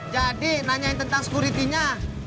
jadi nanyain tentang sekuritinya